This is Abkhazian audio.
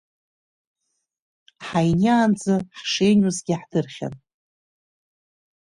Ҳаиниаанӡа ҳшеиниозгьы ҳдырхьан…